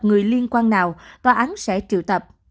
người liên quan nào tòa án sẽ triệu tập